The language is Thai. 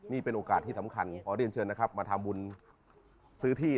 นี่เป็นโอกาสที่สำคัญขอเรียนเชิญนะครับมาทำบุญซื้อที่